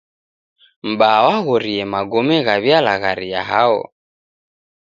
M'baa waghorie magome ghaw'ialagharia hao.